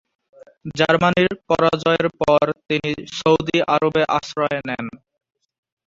জার্মানির পরাজয়ের পর তিনি সৌদি আরবে আশ্রয় নেন।